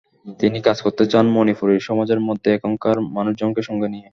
তিনি কাজ করতে চান মনিপুরী সমাজের মধ্যে, এখানকার মানুষজনকে সঙ্গে নিয়ে।